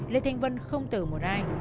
lê thanh vân không tử một ai